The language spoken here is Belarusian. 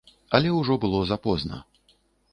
Але ўжо было запозна.